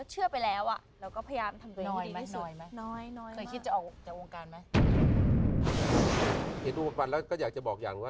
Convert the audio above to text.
เห็นดวงบันปันแล้วก็อยากจะบอกอย่างนี้ว่า